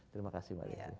terima kasih mbak desi